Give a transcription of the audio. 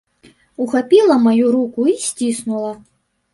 Ухапіла маю руку і сціснула.